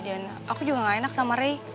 dan aku juga ga enak sama rey